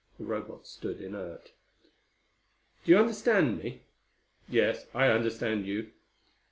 The Robot stood inert. "Do you understand me?" "Yes, I understand you."